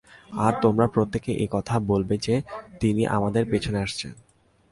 আর তোমরা প্রত্যেকেই এ কথা বলবে যে, তিনি আমাদের পেছনে আসছেন।